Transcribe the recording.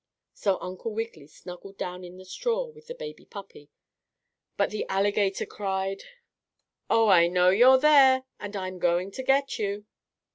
So Uncle Wiggily snuggled down in the straw with the baby puppy, but the alligator cried: "Oh, I know you're there, and I'm going to get you!"